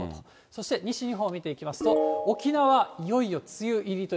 そして西日本を見ていきますと、沖縄、もう梅雨入りですか。